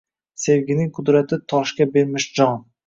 Sevgining qudrati toshga bermish jon!